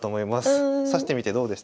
指してみてどうでしたか？